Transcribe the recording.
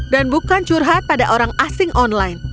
dan bukan curhat pada orang asing online